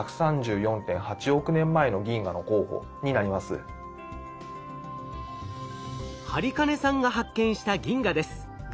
それは播金さんが発見した銀河です。